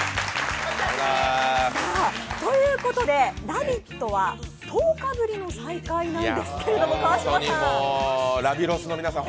ということで「ラヴィット！」は１０日ぶりの再開なんですけどラヴィロスの皆さん